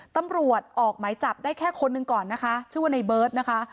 ตำรวจออกหมายจับได้แค่คนหนึ่งก่อนนะคะชื่อว่าในเบิร์ตนะคะ